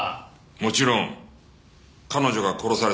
もちろん彼女が殺された事件だ。